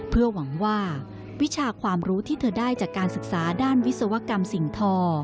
เพื่อหวังว่าวิชาความรู้ที่เธอได้จากการศึกษาด้านวิศวกรรมสิ่งทอ